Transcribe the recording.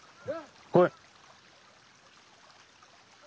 来い。